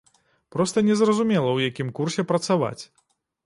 Проста незразумела, у якім курсе працаваць.